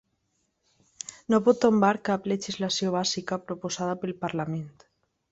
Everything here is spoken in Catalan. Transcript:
No pot tombar cap legislació bàsica proposada pel Parlament.